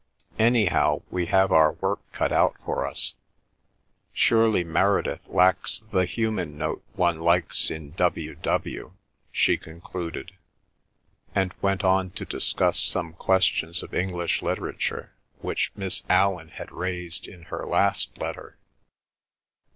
Anyhow, we have our work cut out for us. ... Surely Meredith lacks the human note one likes in W. W.?" she concluded, and went on to discuss some questions of English literature which Miss Allan had raised in her last letter.